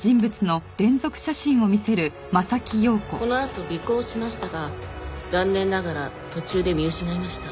このあと尾行しましたが残念ながら途中で見失いました。